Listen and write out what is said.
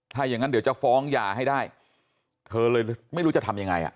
ถ้าอย่างนั้นเดี๋ยวจะฟ้องยาให้ได้เธอเลยไม่รู้จะทำยังไงอ่ะ